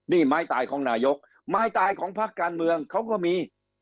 นี่ไม้ตายของนายกไม้ตายของพักการเมืองเขาก็มี